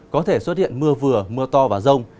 có thể xuất hiện mưa vừa mưa to và rông